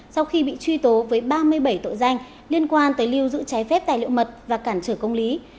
sau khi bị truy tố với ba mươi bảy tội danh liên quan tới lưu giữ trái phép tài liệu mật và cản trở công lý